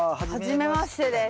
はじめましてです。